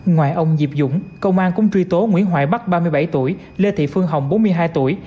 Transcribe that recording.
ngoài ông diệp dũng công an cũng truy tố nguyễn hoài bắc ba mươi bảy tuổi lê thị phương hồng bốn mươi hai tuổi